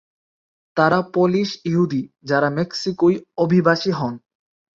তাঁরা পোলিশ ইহুদি, যারা মেক্সিকোয় অভিবাসী হন।